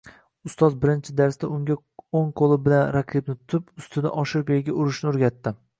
Ustoz birinchi darsda unga oʻng qoʻli bilan raqibni tutib, ustidan oshirib yerga urishni oʻrgatdi